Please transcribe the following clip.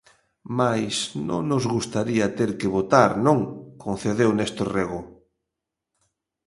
Mais non nos gustaría ter que votar non, concedeu Néstor Rego.